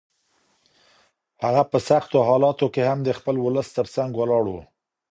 هغه په سختو حالاتو کې هم د خپل ولس تر څنګ ولاړ و.